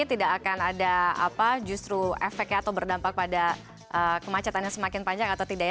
tidak akan ada apa justru efeknya atau berdampak pada kemacetan yang semakin panjang atau tidak ya